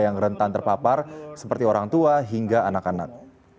yang rentan terpapar seperti orang tua hingga anak anak